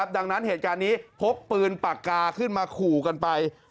ดังนั้นเหตุการณ์นี้พกปืนปากกาขึ้นมาขู่กันไป